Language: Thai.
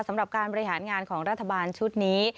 สำหรับการบริหารงานของรัฐบาลชุดนี้